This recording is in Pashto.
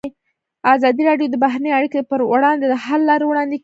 ازادي راډیو د بهرنۍ اړیکې پر وړاندې د حل لارې وړاندې کړي.